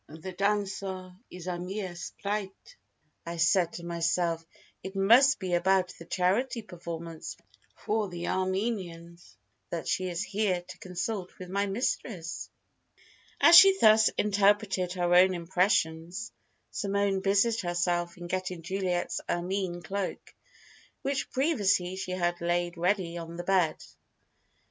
The dancer is a mere sprite! I said to myself, 'It must be about the charity performance for the Armenians that she is here to consult with my mistress'!" As she thus interpreted her own impressions, Simone busied herself in getting Juliet's ermine cloak, which previously she had laid ready on the bed.